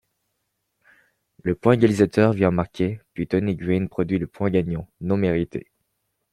Le point égalisateur vient marquer puis Tony Gwynn produit le point gagnant, non mérité.